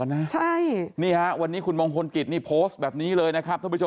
อันนี้แล้วคุณมงคลกิจนิทิก็รู้